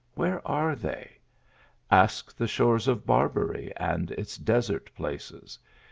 Where are they ? Ask the shores of Barbary and its desert places.